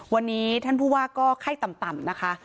วันนี้ท่านผู้ว่าก็ไข้ต่ำนะคะ